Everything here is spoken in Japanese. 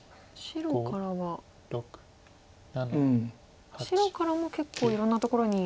白からも結構いろんなところに。